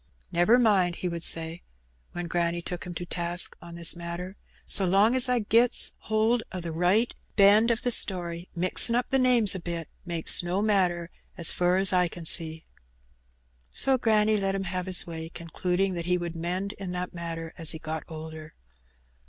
"Never mind," he would say, when granny took him to task on this matter, "so long's I gets hold o' the right hend o' the story, mixin' up the names a bit makes no matter, as fur as I can see." So granny let him have his way, concluding that he would mend in that matter as he got older.